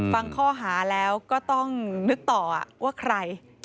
ฟังข้อหาแล้วก็ต้องนึกต่อว่าใคร